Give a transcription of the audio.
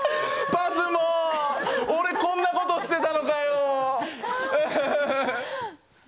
ＰＡＳＭＯ、俺、こんなことしてたのかよ。